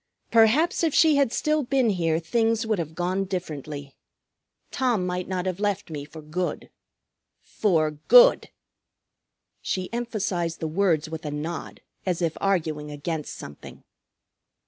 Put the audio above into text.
Perhaps if she had still been here things would have gone differently. Tom might not have left me for good. For good." She emphasized the words with a nod as if arguing against something.